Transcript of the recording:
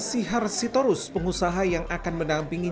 sihar sitorus pengusaha yang akan menampingi